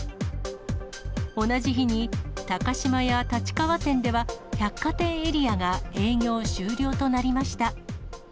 同じ日に、高島屋立川店では、百貨店エリアが営業終了となりました。